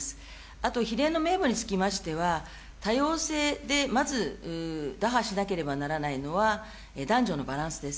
あと、比例の名簿につきましては、多様性でまず打破しなければならないのは、男女のバランスです。